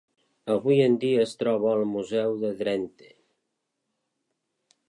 Avui en dia es troba al Museu de Drenthe.